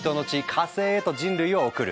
火星へと人類を送る。